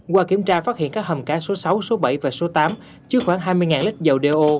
qua kiểm tra phát hiện các hầm cá